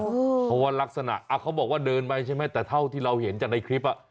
เพราะว่ารักษณะเขาบอกว่าเดินไปใช่ไหมแต่เท่าที่เราเห็นจากในคลิป